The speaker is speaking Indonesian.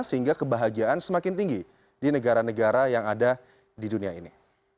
sehingga kebahagiaan semakin tinggi di negara negara yang ada di dunia ini